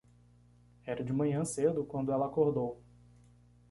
Era de manhã cedo quando ela acordou.